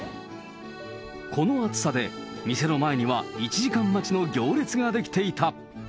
この暑さで、店の前には１時間待ちの行列が出来ていた。